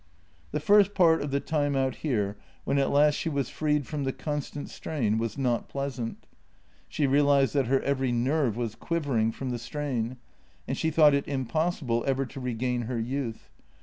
The first part of the time out here, when at last she was freed from the constant strain, was not pleasant. She realized that her every nerve was quivering from the strain, and she thought it impossible ever to regain her youth.